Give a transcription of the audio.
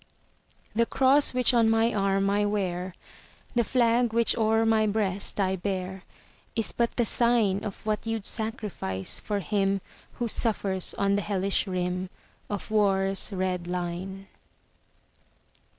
The cross which on my arm I wear, The flag which o'er my breast I bear, Is but the sign Of what you 'd sacrifice for him Who suffers on the hellish rim Of war's red line.